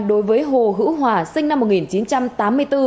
đối với hồ hữu hòa sinh năm một nghìn chín trăm tám mươi bốn